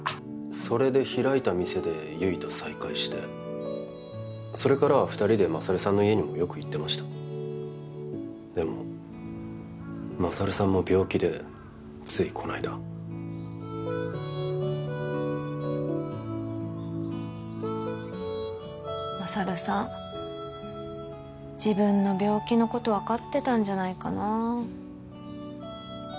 それで開いた店で悠依と再会してそれからは二人で勝さんの家にもよく行ってましたでも勝さんも病気でついこないだ勝さん自分の病気のことわかってたんじゃないかなあ